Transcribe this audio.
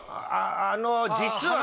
あの実は。